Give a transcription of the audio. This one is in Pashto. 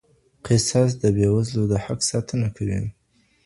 قصاص د بې وزلو د حق ساتنه کوي.